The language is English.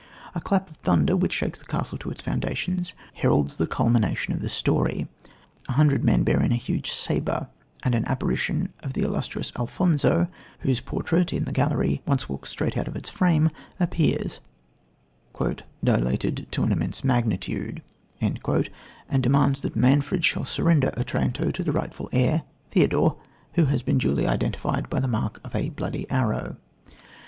A clap of thunder, which shakes the castle to its foundations, heralds the culmination of the story. A hundred men bear in a huge sabre; and an apparition of the illustrious Alfonso whose portrait in the gallery once walks straight out of its frame appears, "dilated to an immense magnitude," and demands that Manfred shall surrender Otranto to the rightful heir, Theodore, who has been duly identified by the mark of a "bloody arrow."